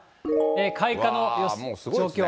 開花の状況。